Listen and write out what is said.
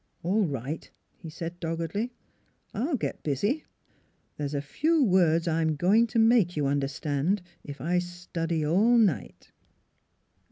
" All right," he said doggedly. " I'll get busy. There's a few words I'm going to make you un derstand, if I study all night."